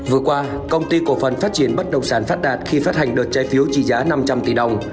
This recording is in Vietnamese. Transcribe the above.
vừa qua công ty cổ phần phát triển bất động sản phát đạt khi phát hành đợt trái phiếu trị giá năm trăm linh tỷ đồng